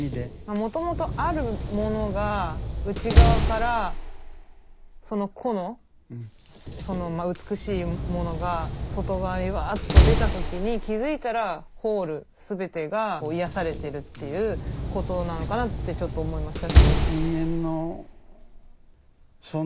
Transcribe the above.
もともとあるものが内側からその個の美しいものが外側にうわっと出た時に気付いたらｗｈｏｌｅ全てが癒やされてるっていうことなのかなってちょっと思いました。